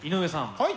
はい。